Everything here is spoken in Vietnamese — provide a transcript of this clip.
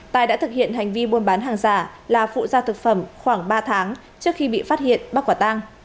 tài đã thực hiện hành vi buôn bán hàng giả là phụ gia thực phẩm khoảng ba tháng trước khi bị phát hiện bắt quả tang